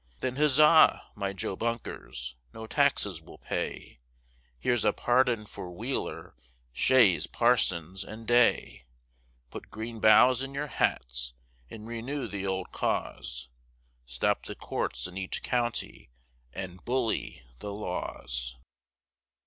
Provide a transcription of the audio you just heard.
Then huzza, my Jo Bunkers! no taxes we'll pay; Here's a pardon for Wheeler, Shays, Parsons and Day; Put green boughs in your hats, and renew the old cause; Stop the courts in each county, and bully the laws.